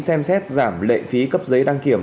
xem xét giảm lệ phí cấp giấy đăng kiểm